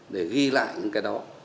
để ghi lại những cái đó